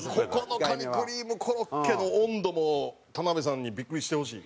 ここのカニクリームコロッケの温度も田辺さんにビックリしてほしい。